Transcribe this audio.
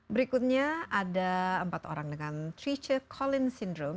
berikutnya ada empat orang dengan threacher colin syndrome